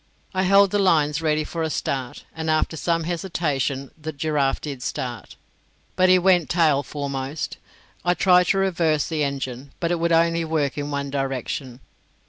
I held the lines ready for a start, and after some hesitation the giraffe did start, but he went tail foremost. I tried to reverse the engine, but it would only work in one direction.